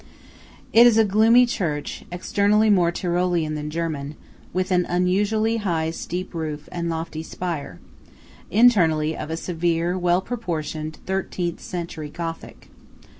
It is a gloomy church; externally more Tyrolean than German, with an unusually high steep roof and lofty spire; internally, of a severe, well proportioned, thirteenth century Gothic.